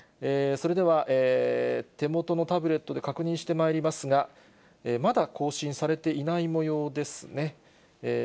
それでは、手元のタブレットで確認してまいりますが、まだ更新されていないもようですね。